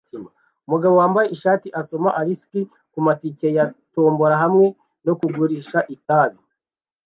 Umugabo wambaye ishati asoma "Alaska" kumatike ya tombora hamwe no kugurisha itabi